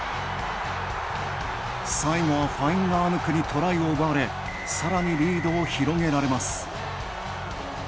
最後は、ファインガアヌクにトライを奪われさらにリードを広げられます。